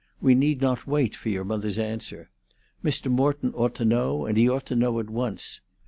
"We need not wait for your mother's answer. Mr. Morton ought to know, and he ought to know at once.